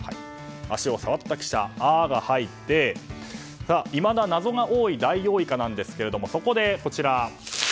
足を触った記者、「ア」が入っていまだ謎が多いダイオウイカなんですけれどもそこで、こちら。